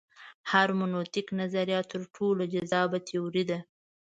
هرمنوتیک نظریه تر ټولو جذابه تیوري ده.